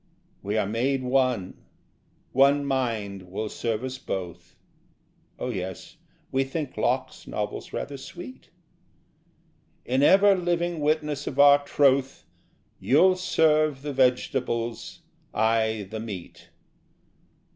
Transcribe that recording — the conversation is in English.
We are made one. One mind will serve us both. ('Oh yes, we think Locke's novels rather sweet!') In ever living witness of our troth You'll serve the vegetables, I the meat...